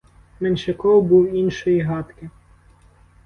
Меншиков був іншої гадки.